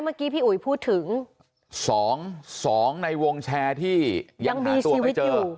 เมื่อกี้พี่อุ๋ยพูดถึงสองสองในวงแชร์ที่ยังมีชีวิตอยู่